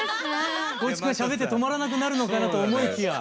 光一君がしゃべって止まらなくなるのかなと思いきや。